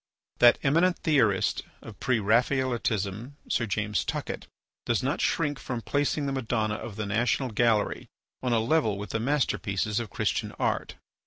That eminent theorist of Pre Raphaelitism, Sir James Tuckett, does not shrink from placing the Madonna of the National Gallery on a level with the masterpieces of Christian art.